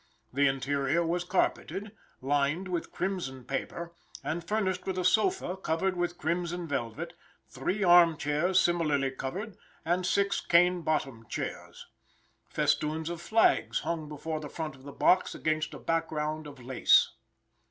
The interior was carpeted, lined with crimson paper, and furnished with a sofa covered with crimson velvet, three arm chairs similarly covered, and six cane bottomed chairs. Festoons of flags hung before the front of the box against a background of lace.